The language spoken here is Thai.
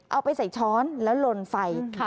เอาไปใส่ช้อนแล้วลนไฟ